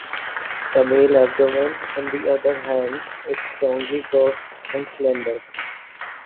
The male abdomen, on the other hand, is strongly curved and slender.